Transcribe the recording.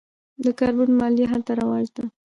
د کاربن مالیه هلته رواج ده.